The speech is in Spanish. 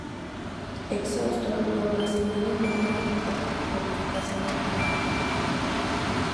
Exhaustos, los brasileños no fueron capaces de planificación alguna.